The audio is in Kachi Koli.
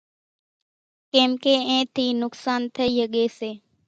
ڪيمڪي اِين ٿي نقصان ٿئي ۿڳي سي۔